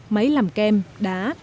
máy làm kem đá